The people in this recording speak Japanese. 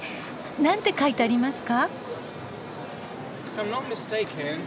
何て書いてありますか？